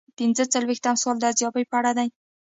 پنځه څلویښتم سوال د ارزیابۍ په اړه دی.